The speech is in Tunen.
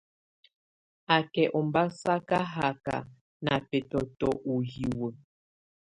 Á kɛ̀ ɔmbasaka haka nà bɛtɔ̀tɔ̀ ù hiwǝ́.